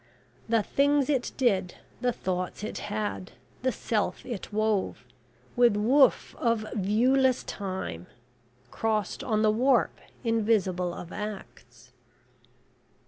`The things it did, the thoughts it had, the Self it wove, with woof of viewless time, crossed on the warp invisible of acts.'